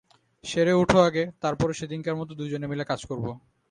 সেরে ওঠ আগে, তার পরে সেদিনকার মতো দুজনে মিলে কাজ করব।